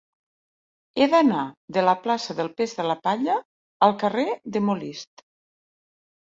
He d'anar de la plaça del Pes de la Palla al carrer de Molist.